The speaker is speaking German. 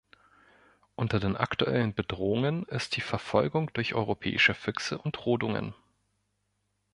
Unter den aktuellen Bedrohungen ist die Verfolgung durch europäische Füchse und Rodungen.